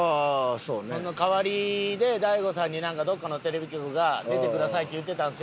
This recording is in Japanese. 「その代わりで大悟さんになんかどこかのテレビ局が“出てください”って言うてたんですよ」